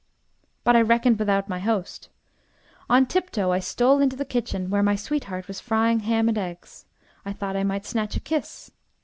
"But I reckoned without my host. On tiptoe I stole into the kitchen, where my sweetheart was frying ham and eggs. I thought I might snatch a kiss.